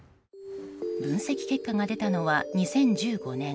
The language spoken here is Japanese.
分析結果が出たのは２０１５年。